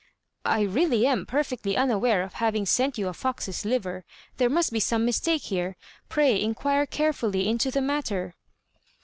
"I really am perfectly unaware of having sent you a fox's liver: there must be some mistake here. Pray inquire carefully into the matter."